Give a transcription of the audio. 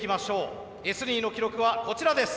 Ｓニーの記録はこちらです。